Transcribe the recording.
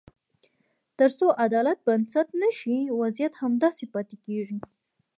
تر څو عدالت بنسټ نه شي، وضعیت همداسې پاتې کېږي.